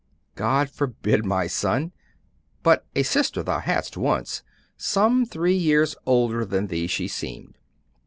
'God forbid, my son! But a sister thou hadst once some three years older than thee she seemed.